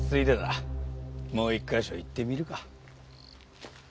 もう一か所行ってみるか。